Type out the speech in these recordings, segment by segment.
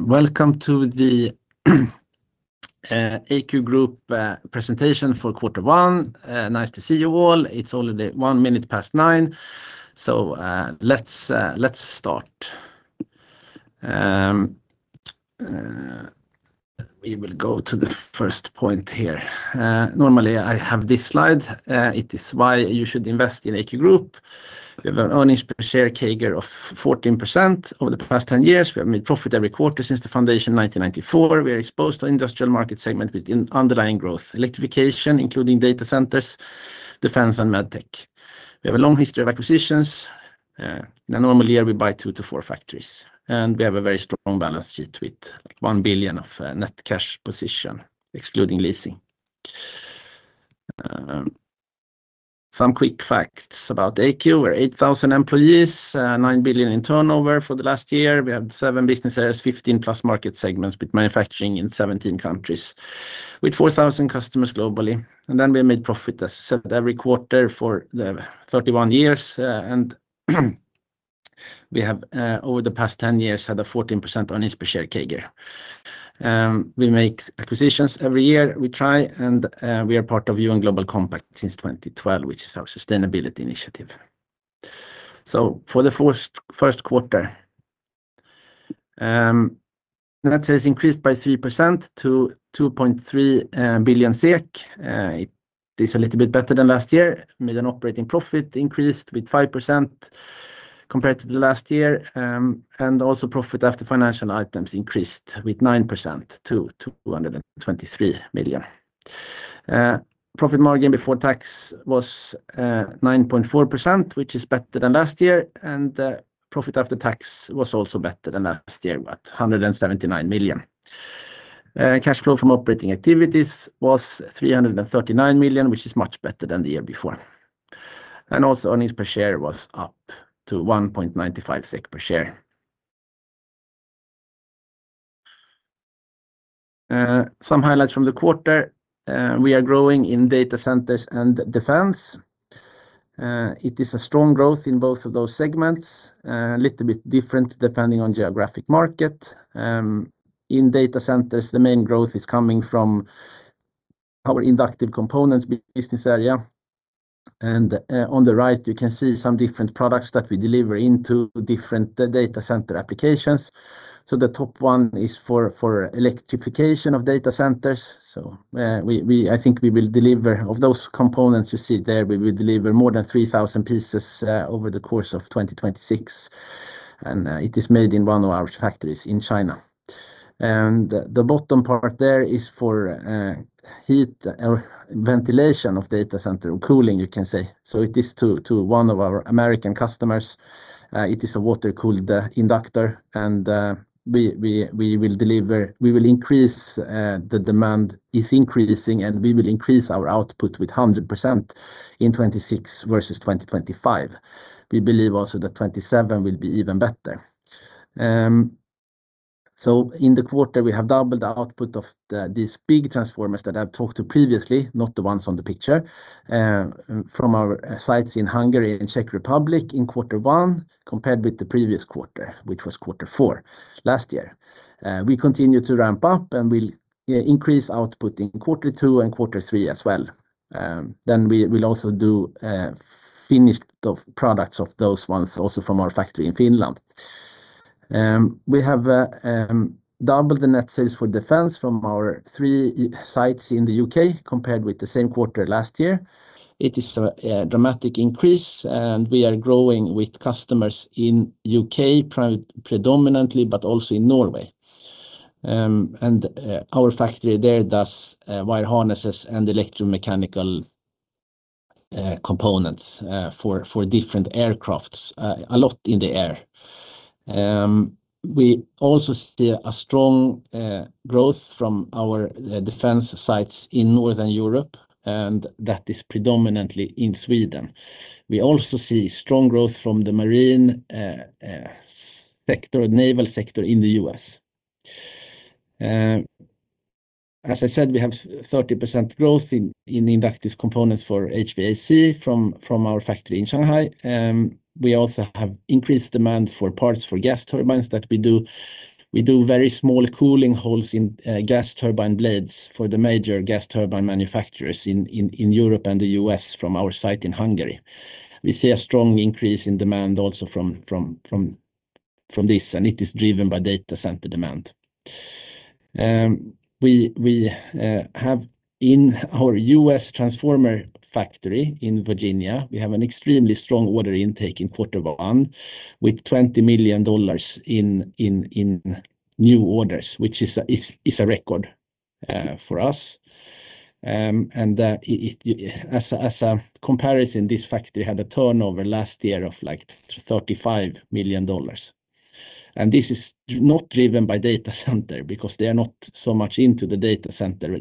Welcome to the AQ Group presentation for quarter one. Nice to see you all. It's already 9:01 A.M., so let's start. We will go to the first point here. Normally, I have this slide. It is why you should invest in AQ Group. We have an earnings per share CAGR of 14% over the past 10 years. We have made profit every quarter since the foundation in 1994. We are exposed to industrial market segment within underlying growth, electrification, including data centers, defense, and med tech. We have a long history of acquisitions. In a normal year, we buy two to four factories, and we have a very strong balance sheet with 1 billion net cash position, excluding leasing. Some quick facts about AQ. We're 8,000 employees, 9 billion in turnover for the last year. We have seven business areas, 15 plus market segments with manufacturing in 17 countries with 4,000 customers globally. We have made profit, as I said, every quarter for 31 years. We have, over the past 10 years, had a 14% earnings per share CAGR. We make acquisitions every year. We try and we are part of UN Global Compact since 2012, which is our sustainability initiative. For the first quarter, net sales increased by 3% to 2.3 billion SEK. It is a little bit better than last year. Operating profit increased with 5% compared to the last year, and also profit after financial items increased with 9% to 223 million. Profit margin before tax was 9.4%, which is better than last year, and profit after tax was also better than last year with 179 million. Cash flow from operating activities was 339 million, which is much better than the year before. Also earnings per share was up to 1.95 SEK per share. Some highlights from the quarter. We are growing in data centers and defense. It is a strong growth in both of those segments, a little bit different depending on geographic market. In data centers, the main growth is coming from our inductive components business area. On the right you can see some different products that we deliver into different data center applications. The top one is for electrification of data centers. I think we will deliver more than 3,000 pieces of those components you see there over the course of 2026. It is made in one of our factories in China. The bottom part there is for heat or ventilation of data center, cooling you can say. It is to one of our American customers. It is a water-cooled inductor. The demand is increasing, and we will increase our output with 100% in 2026 versus 2025. We believe also that 2027 will be even better. In the quarter, we have doubled the output of these big transformers that I've talked about previously, not the ones on the picture, from our sites in Hungary and Czech Republic in quarter one compared with the previous quarter, which was quarter four last year. We continue to ramp up and we'll increase output in quarter two and quarter three as well. We will also do finished products of those ones also from our factory in Finland. We have doubled the net sales for defense from our three sites in the U.K. compared with the same quarter last year. It is a dramatic increase and we are growing with customers in U.K. predominantly, but also in Norway. Our factory there does wire harnesses and electromechanical components for different aircrafts, a lot in the air. We also see a strong growth from our defense sites in Northern Europe, and that is predominantly in Sweden. We also see strong growth from the marine sector, naval sector in the U.S.. As I said, we have 30% growth in inductive components for HVAC from our factory in Shanghai. We also have increased demand for parts for gas turbines that we do. We do very small cooling holes in gas turbine blades for the major gas turbine manufacturers in Europe and the U.S. from our site in Hungary. We see a strong increase in demand also from this, and it is driven by data center demand. In our U.S. transformer factory in Virginia, we have an extremely strong order intake in quarter one with $20 million in new orders, which is a record for us. As a comparison, this factory had a turnover last year of $35 million. This is not driven by data center because they are not so much into the data center.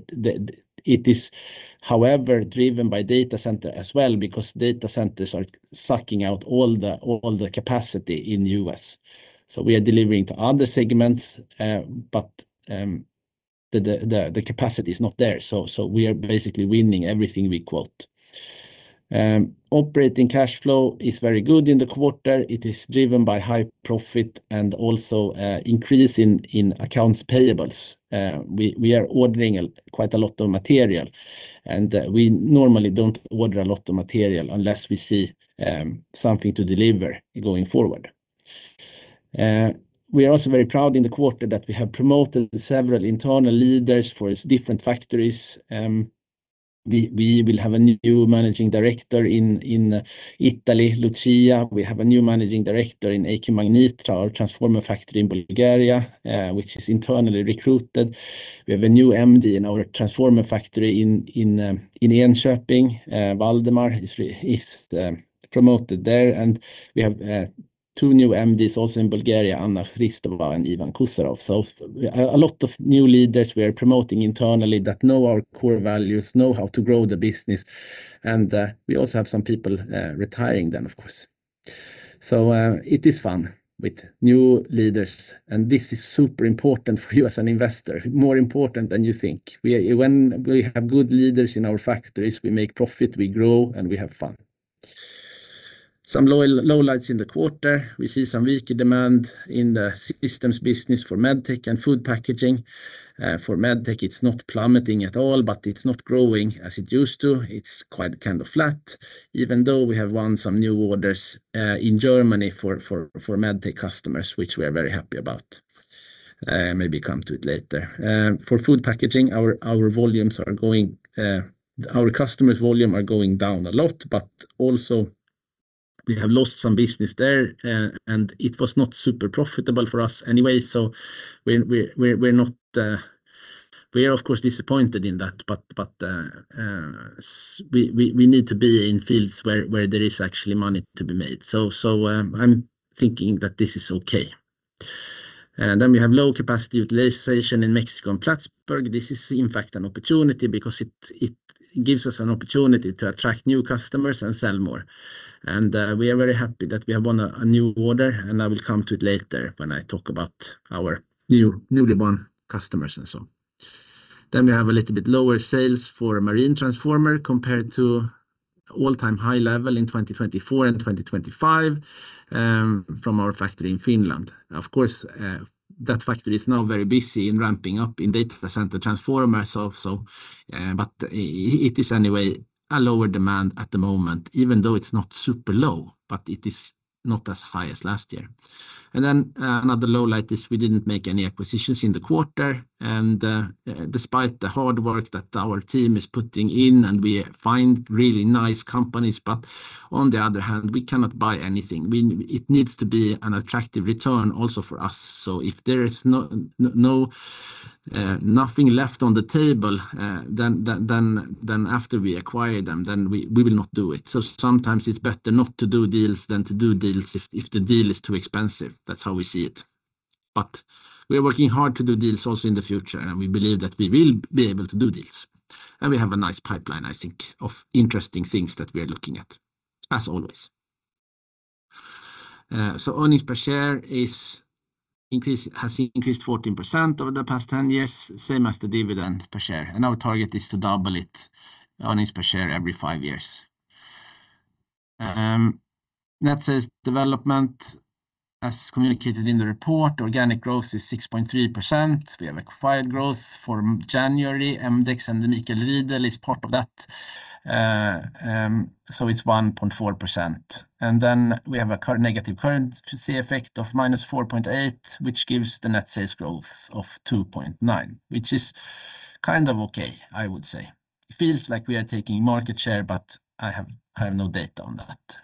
It is, however, driven by data center as well because data centers are sucking out all the capacity in the U.S.. We are delivering to other segments, but the capacity is not there. We are basically winning everything we quote. Operating cash flow is very good in the quarter. It is driven by high profit and also increase in accounts payables. We are ordering quite a lot of material, and we normally don't order a lot of material unless we see something to deliver going forward. We are also very proud in the quarter that we have promoted several internal leaders for its different factories. We will have a new managing director in Italy, Lucia. We have a new managing director in AQ Magnit AD, our transformer factory in Bulgaria, which is internally recruited. We have a new MD in our transformer factory in Enköping. Waldemar is promoted there. We have two new MDs also in Bulgaria, Anna Hristova and Ivan Koussarov. A lot of new leaders we are promoting internally that know our core values, know how to grow the business, and we also have some people retiring then, of course. It is fun with new leaders, and this is super important for you as an investor, more important than you think. When we have good leaders in our factories, we make profit, we grow, and we have fun. Some lowlights in the quarter. We see some weaker demand in the systems business for med tech and food packaging. For med tech, it's not plummeting at all, but it's not growing as it used to. It's quite kind of flat, even though we have won some new orders in Germany for med tech customers, which we are very happy about. Maybe come to it later. For food packaging, our customers' volume are going down a lot, but also we have lost some business there, and it was not super profitable for us anyway, so we're of course disappointed in that. We need to be in fields where there is actually money to be made. I'm thinking that this is okay. We have low capacity utilization in Mexico and Plattsburgh. This is in fact an opportunity because it gives us an opportunity to attract new customers and sell more. We are very happy that we have won a new order, and I will come to it later when I talk about our newly won customers and so on. We have a little bit lower sales for marine transformer compared to all-time high level in 2024 and 2025 from our factory in Finland. Of course, that factory is now very busy in ramping up in data center transformers. It is anyway a lower demand at the moment, even though it's not super low, but it is not as high as last year. Another lowlight is we didn't make any acquisitions in the quarter, and despite the hard work that our team is putting in, and we find really nice companies, but on the other hand, we cannot buy anything. It needs to be an attractive return also for us. If there is nothing left on the table then after we acquire them, then we will not do it. Sometimes it's better not to do deals than to do deals if the deal is too expensive. That's how we see it. We are working hard to do deals also in the future, and we believe that we will be able to do deals. We have a nice pipeline, I think, of interesting things that we're looking at, as always. Earnings per share has increased 14% over the past 10 years, same as the dividend per share. Our target is to double it, earnings per share every five years. Net sales development, as communicated in the report, organic growth is 6.3%. We have acquired growth from January, mdexx and the Michael Riedel is part of that, so it's 1.4%. We have a negative currency effect of -4.8%, which gives the net sales growth of 2.9%, which is kind of okay, I would say. Feels like we are taking market share, but I have no data on that.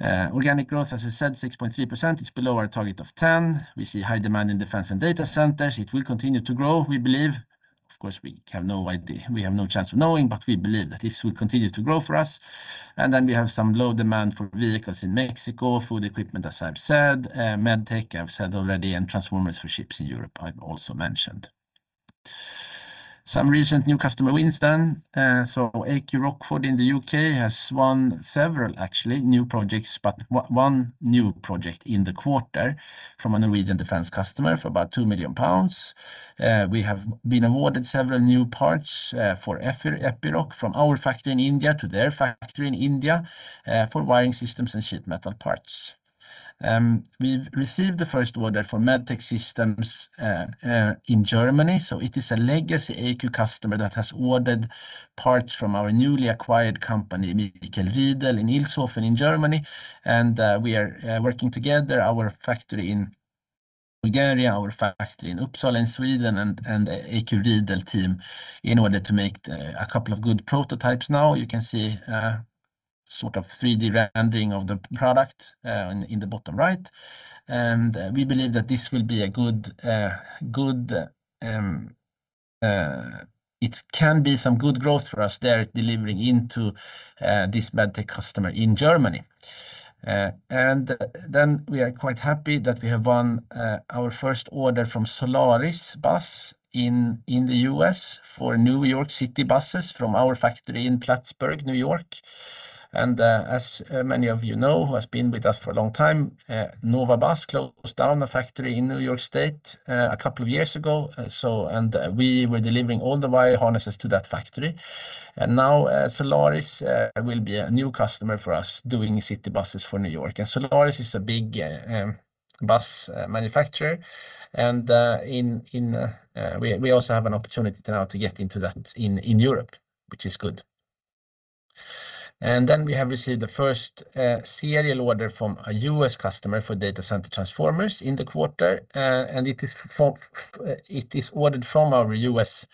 Organic growth, as I said, 6.3%, it's below our target of 10%. We see high demand in defense and data centers. It will continue to grow, we believe. Of course, we have no chance of knowing, but we believe that this will continue to grow for us. We have some low demand for vehicles in Mexico, food equipment, as I've said, med tech, I've said already, and transformers for ships in Europe, I've also mentioned. Some recent new customer wins then. AQ Rockford in the U.K. has won several actually new projects, but one new project in the quarter from a Norwegian defense customer for about 2 million pounds. We have been awarded several new parts for Epiroc from our factory in India to their factory in India for wiring systems and sheet metal parts. We've received the first order for med tech systems in Germany. It is a legacy AQ customer that has ordered parts from our newly acquired company, Michael Riedel, in Ilshofen in Germany. We are working together, our factory in Bulgaria, our factory in Uppsala in Sweden and AQ Riedel team in order to make a couple of good prototypes now. You can see a sort of 3D rendering of the product in the bottom right. We believe that it can be some good growth for us there delivering into this med tech customer in Germany. We are quite happy that we have won our first order from Solaris Bus in the U.S. for New York City buses from our factory in Plattsburgh, New York. As many of you know, who has been with us for a long time, Nova Bus closed down a factory in New York State a couple of years ago. We were delivering all the wire harnesses to that factory. Now Solaris will be a new customer for us, doing city buses for New York. Solaris is a big bus manufacturer, and we also have an opportunity now to get into that in Europe, which is good. Then we have received the first serial order from a U.S. customer for data center transformers in the quarter. It is ordered from our U.S.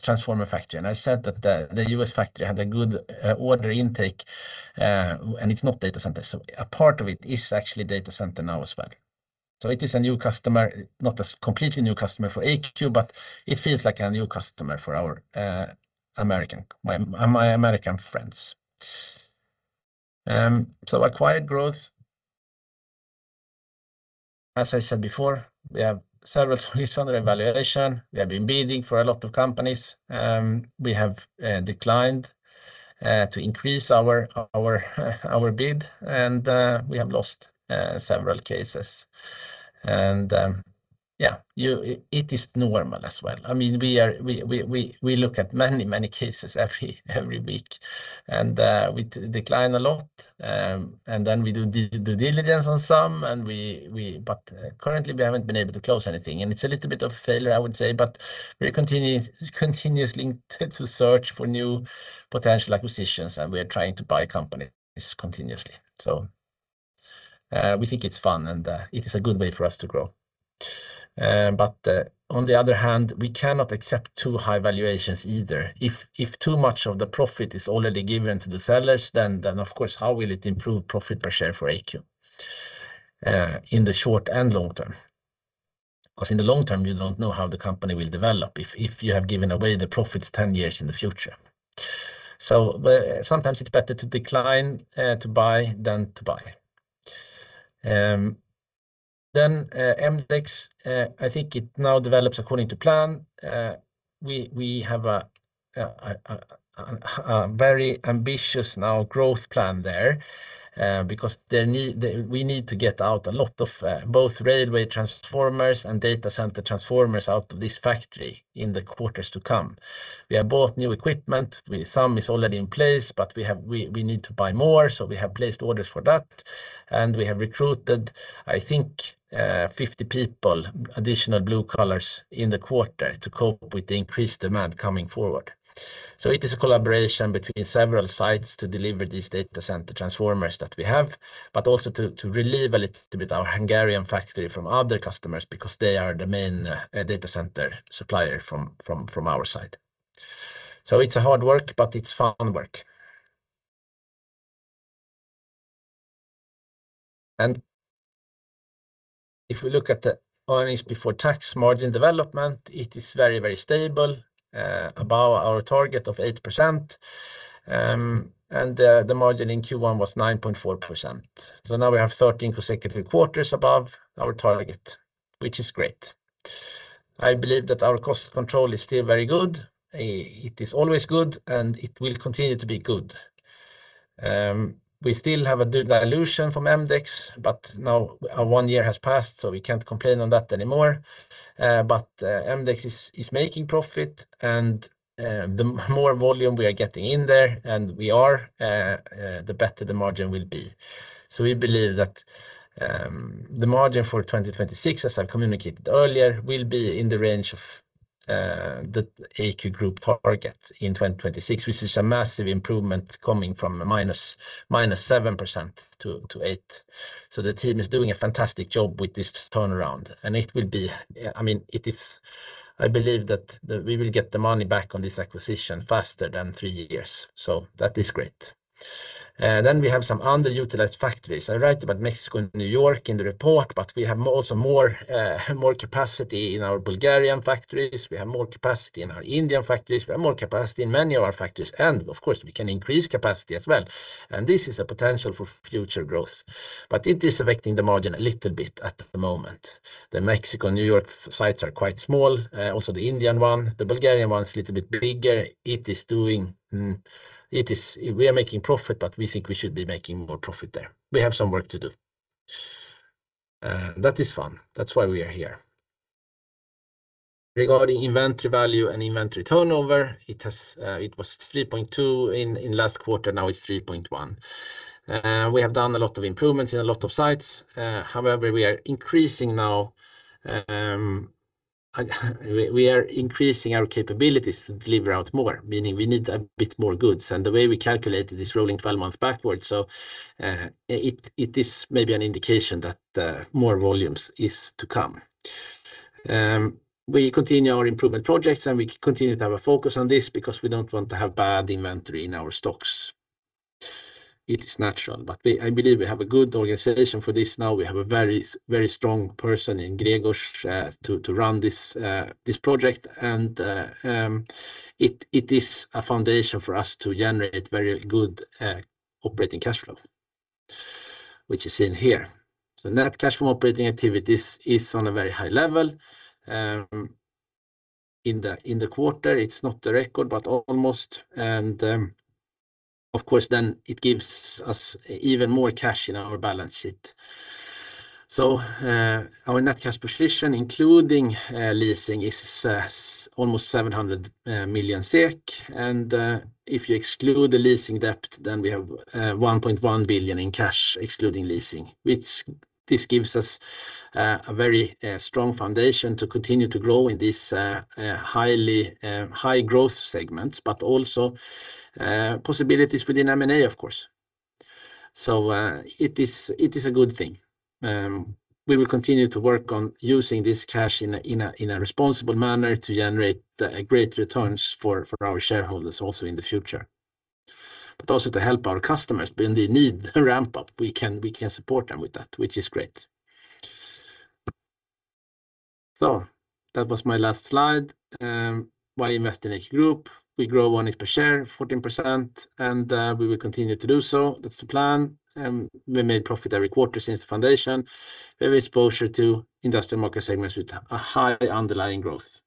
transformer factory. I said that the U.S. factory had a good order intake, and it's not data center, so a part of it is actually data center now as well. It is a new customer, not a completely new customer for AQ, but it feels like a new customer for my American friends. Acquired growth. As I said before, we have several recent acquisitions. We have been bidding for a lot of companies. We have declined to increase our bid, and we have lost several cases. Yeah, it is normal as well. We look at many cases every week, and we decline a lot, and then we do due diligence on some, but currently we haven't been able to close anything. It's a little bit of failure, I would say, but we're continuously to search for new potential acquisitions, and we are trying to buy companies continuously. We think it's fun, and it is a good way for us to grow. On the other hand, we cannot accept too high valuations either. If too much of the profit is already given to the sellers, then of course, how will it improve profit per share for AQ, in the short and long term? Because in the long term, you don't know how the company will develop if you have given away the profits 10 years in the future. Sometimes it's better to decline to buy than to buy. mdexx, I think it now develops according to plan. We have a very ambitious growth plan there, because we need to get out a lot of both railway transformers and data center transformers out of this factory in the quarters to come. We have bought new equipment. Some is already in place, but we need to buy more, so we have placed orders for that. We have recruited, I think, 50 people, additional blue collars in the quarter to cope with the increased demand coming forward. It is a collaboration between several sites to deliver these data center transformers that we have, but also to relieve a little bit our Hungarian factory from other customers, because they are the main data center supplier from our side. It's a hard work, but it's fun work. If we look at the earnings before tax margin development, it is very, very stable, above our target of 8%, and the margin in Q1 was 9.4%. Now we have 13 consecutive quarters above our target, which is great. I believe that our cost control is still very good. It is always good, and it will continue to be good. We still have a dilution from mdexx, but now one year has passed, so we can't complain on that anymore. mdexx is making profit, and the more volume we are getting in there, and we are, the better the margin will be. We believe that the margin for 2026, as I communicated earlier, will be in the range of the AQ Group target in 2026, which is a massive improvement coming from -7% to 8%. The team is doing a fantastic job with this turnaround, and I believe that we will get the money back on this acquisition faster than three years. That is great. We have some underutilized factories. I write about Mexico and New York in the report, we have also more capacity in our Bulgarian factories. We have more capacity in our Indian factories. We have more capacity in many of our factories. Of course, we can increase capacity as well. This is a potential for future growth. It is affecting the margin a little bit at the moment. The Mexico and New York sites are quite small, also the Indian one. The Bulgarian one is a little bit bigger. We are making profit, but we think we should be making more profit there. We have some work to do. That is fun. That's why we are here. Regarding inventory value and inventory turnover, it was 3.2 billion in last quarter, now it's 3.1 billion. We have done a lot of improvements in a lot of sites. However, we are increasing our capabilities to deliver out more, meaning we need a bit more goods. The way we calculate it is rolling 12 months backwards, so it is maybe an indication that more volumes is to come. We continue our improvement projects, and we continue to have a focus on this because we don't want to have bad inventory in our stocks. It is natural, but I believe we have a good organization for this now. We have a very strong person in Gregors to run this project, and it is a foundation for us to generate very good operating cash flow, which is in here. Net cash from operating activities is on a very high level in the quarter. It's not the record, but almost. Of course, then it gives us even more cash in our balance sheet. Our net cash position, including leasing, is almost 700 million SEK, and if you exclude the leasing debt, then we have 1.1 billion in cash excluding leasing. This gives us a very strong foundation to continue to grow in these high growth segments, but also possibilities within M&A, of course. It is a good thing. We will continue to work on using this cash in a responsible manner to generate great returns for our shareholders also in the future, but also to help our customers when they need the ramp up. We can support them with that, which is great. That was my last slide. Why invest in AQ Group? We grow earnings per share 14%, and we will continue to do so. That's the plan. We made profit every quarter since the foundation. We have exposure to industrial market segments with a high underlying growth,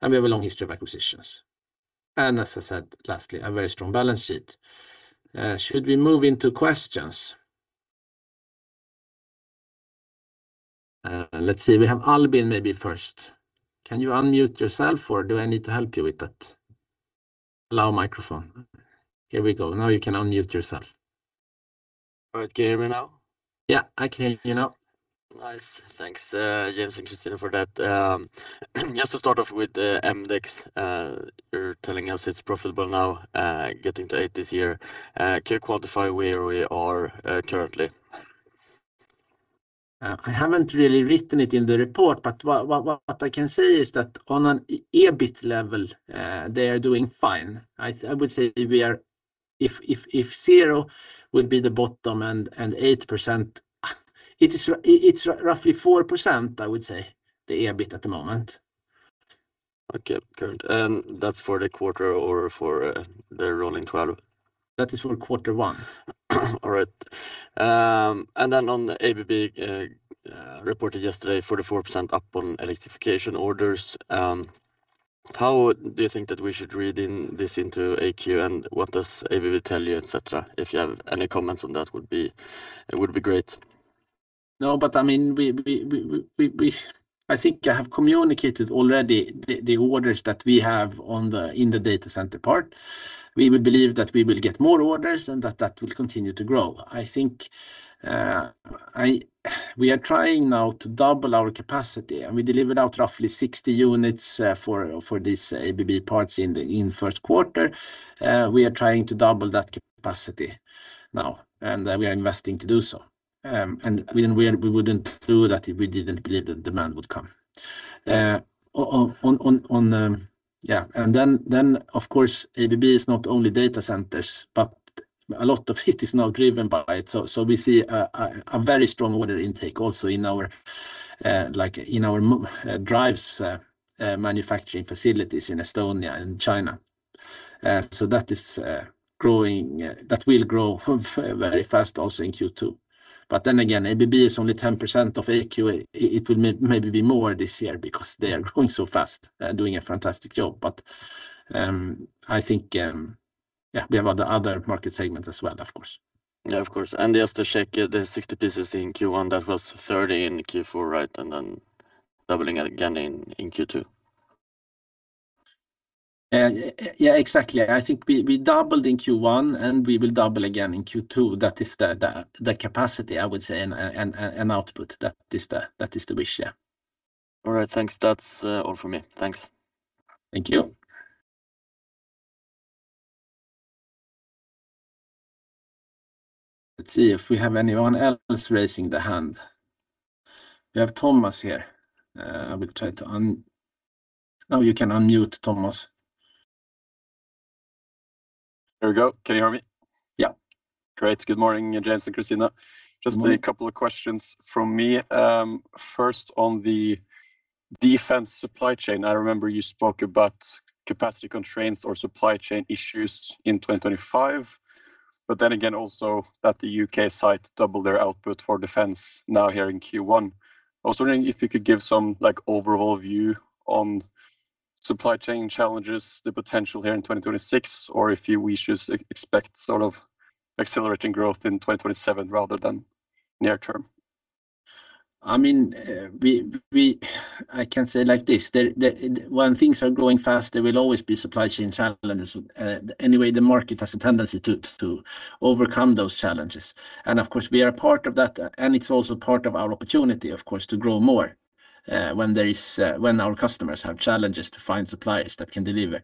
and we have a long history of acquisitions. As I said, lastly, a very strong balance sheet. Should we move into questions? Let's see. We have Albin maybe first. Can you unmute yourself, or do I need to help you with that? Allow microphone. Here we go. Now you can unmute yourself. All right. Can you hear me now? Yeah, I can hear you now. Nice. Thanks, James and Christina, for that. Just to start off with mdexx. You're telling us it's profitable now, getting to 8% this year. Can you quantify where we are currently? I haven't really written it in the report, but what I can say is that on an EBIT level, they are doing fine. I would say if 0% would be the bottom and 8%, it's roughly 4%, I would say, the EBIT at the moment. Okay, current. That's for the quarter or for the rolling 12? That is for quarter one. All right. On the ABB, reported yesterday, 44% up on electrification orders. How do you think that we should read this into AQ and what does ABB tell you, et cetera? If you have any comments on that, it would be great. No, but I think I have communicated already the orders that we have in the data center part. We believe that we will get more orders and that that will continue to grow. I think we are trying now to double our capacity, and we delivered out roughly 60 units for these ABB parts in first quarter. We are trying to double that capacity now, and we are investing to do so. We wouldn't do that if we didn't believe the demand would come. Then, of course, ABB is not only data centers, but a lot of it is now driven by it. We see a very strong order intake also in our drives manufacturing facilities in Estonia and China. That will grow very fast also in Q2. Then again, ABB is only 10% of AQ. It will maybe be more this year because they are growing so fast, doing a fantastic job. I think we have other market segments as well, of course. Yeah, of course. Just to check the 60 pieces in Q1, that was 30 in Q4, right? Then doubling it again in Q2. Yeah, exactly. I think we doubled in Q1, and we will double again in Q2. That is the capacity, I would say, and output. That is the wish, yeah. All right, thanks. That's all from me. Thanks. Thank you. Let's see if we have anyone else raising the hand. We have Thomas here. Now you can unmute, Thomas. There we go. Can you hear me? Yeah. Great. Good morning, James and Christina. Just a couple of questions from me. First, on the defense supply chain, I remember you spoke about capacity constraints or supply chain issues in 2025, but then again also that the U.K. site doubled their output for defense now here in Q1. I was wondering if you could give some overall view on supply chain challenges, the potential here in 2026, or if we should expect accelerating growth in 2027 rather than near term? I can say like this, when things are growing fast, there will always be supply chain challenges. Anyway, the market has a tendency to overcome those challenges. Of course, we are part of that, and it's also part of our opportunity, of course, to grow more when our customers have challenges to find suppliers that can deliver.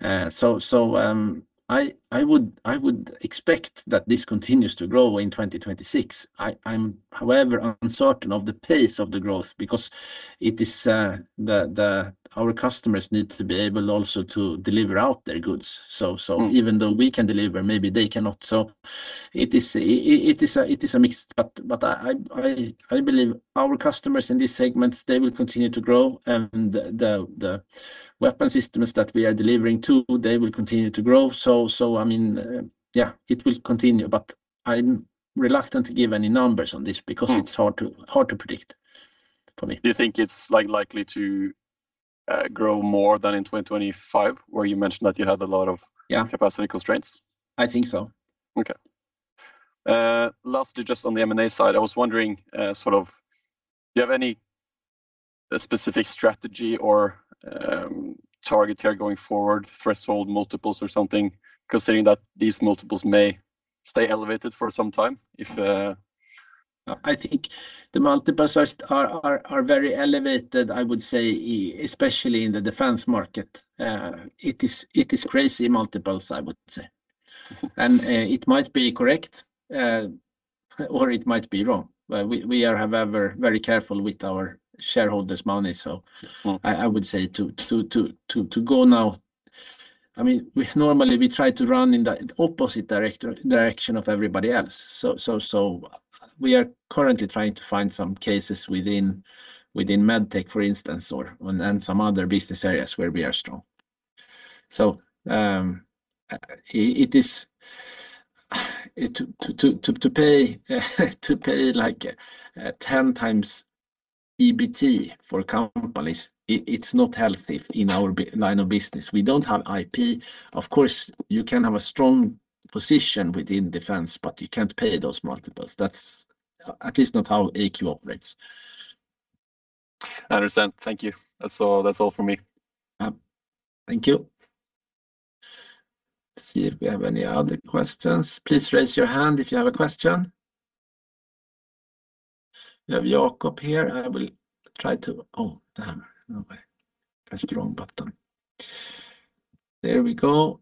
I would expect that this continues to grow in 2026. I'm, however, uncertain of the pace of the growth because our customers need to be able also to deliver out their goods. Even though we can deliver, maybe they cannot. It is a mix, but I believe our customers in these segments, they will continue to grow, and the weapon systems that we are delivering to, they will continue to grow. It will continue, but I'm reluctant to give any numbers on this because it's hard to predict. Do you think it's likely to grow more than in 2025, where you mentioned that you had a lot of? Yeah capacity constraints? I think so. Okay. Lastly, just on the M&A side, I was wondering, do you have any specific strategy or target here going forward, threshold multiples or something, considering that these multiples may stay elevated for some time? I think the multiples are very elevated, I would say, especially in the defense market. It is crazy multiples, I would say. It might be correct, or it might be wrong. We are, however, very careful with our shareholders' money, so I would say to go now. Normally, we try to run in the opposite direction of everybody else. We are currently trying to find some cases within med tech, for instance, and some other business areas where we are strong. To pay 10x EBT for companies, it's not healthy in our line of business. We don't have IP. Of course, you can have a strong position within defense, but you can't pay those multiples. That's at least not how AQ operates. I understand. Thank you. That's all from me. Thank you. Let's see if we have any other questions. Please raise your hand if you have a question. We have Jacob here. Oh, damn. No. Pressed the wrong button. There we go.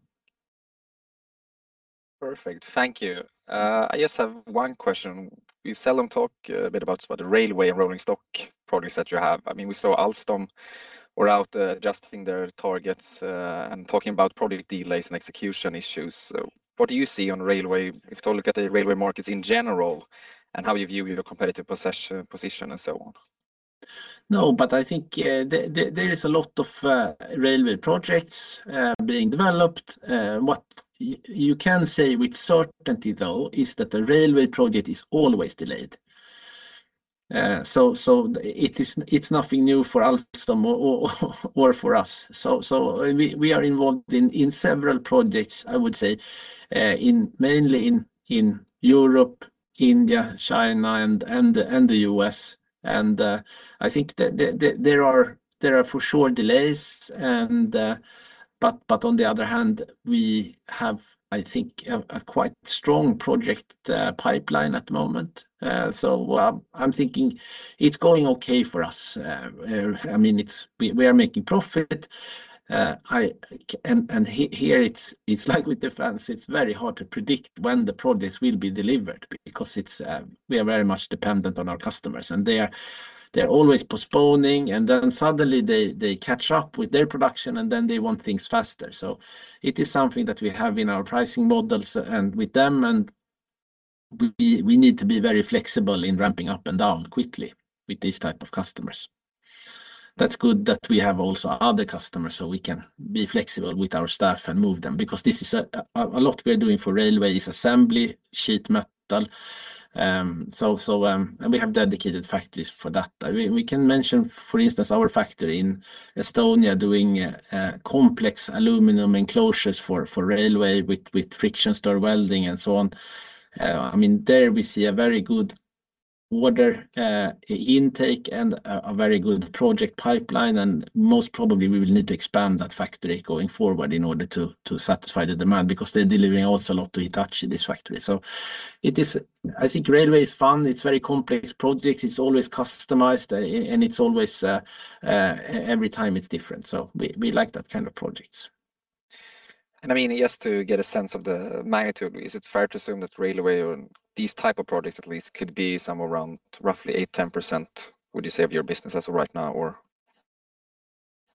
Perfect. Thank you. I just have one question. You seldom talk a bit about the railway and rolling stock products that you have. We saw Alstom were out adjusting their targets and talking about product delays and execution issues. What do you see in the railway if we look at the railway markets in general, and how do you view your competitive position and so on? No, I think there is a lot of railway projects being developed. What you can say with certainty, though, is that the railway project is always delayed. It's nothing new for Alstom or for us. We are involved in several projects, I would say, mainly in Europe, India, China, and the U.S. I think there are for sure delays, but on the other hand, we have, I think, a quite strong project pipeline at the moment. I'm thinking it's going okay for us. We are making profit. Here, it's like with defense, it's very hard to predict when the projects will be delivered because we are very much dependent on our customers. They are always postponing, and then suddenly they catch up with their production, and then they want things faster. It is something that we have in our pricing models and with them, and we need to be very flexible in ramping up and down quickly with these type of customers. That's good that we have also other customers so we can be flexible with our staff and move them, because this is a lot we are doing for railway, is assembly, sheet metal. We have dedicated factories for that. We can mention, for instance, our factory in Estonia doing complex aluminum enclosures for railway with friction stir welding and so on. There we see a very good order intake and a very good project pipeline, and most probably we will need to expand that factory going forward in order to satisfy the demand, because they're delivering also a lot to Hitachi, this factory. I think railway is fun. It's very complex projects. It's always customized, and every time it's different. We like that kind of projects. Just to get a sense of the magnitude, is it fair to assume that railway or these type of projects at least could be somewhere around roughly 8% to 10%, would you say, of your business as of right now?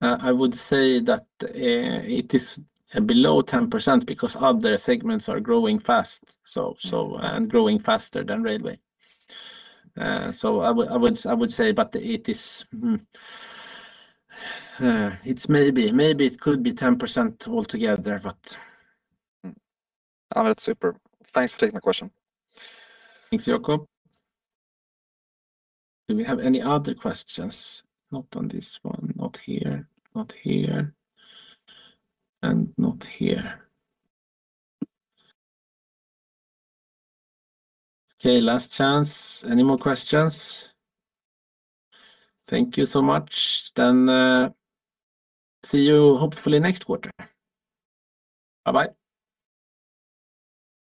I would say that it is below 10% because other segments are growing fast, and growing faster than railway. I would say, but maybe it could be 10% altogether. That's super. Thanks for taking my question. Thanks, Jacob. Do we have any other questions? Not on this one. Not here. Not here. Not here. Okay, last chance. Any more questions? Thank you so much. See you hopefully next quarter. Bye-bye.